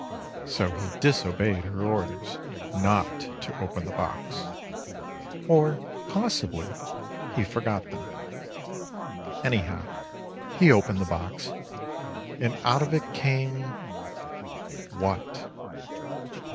So he disobeyed her orders not to open the box — or, possibly, he forgot them. Anyhow, he opened the box, and out of it came — what?